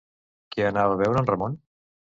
Qui anava a veure en Ramon?